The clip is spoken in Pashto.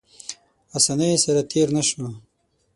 اسانۍ سره تېر نه شو.